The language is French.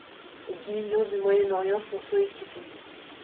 Les divisions du Moyen-Orient sont sollicitées.